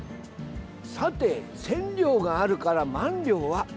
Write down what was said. さて、千両があるから万両は？